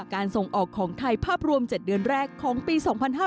ส่งออกของไทยภาพรวม๗เดือนแรกของปี๒๕๕๙